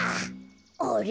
あれ？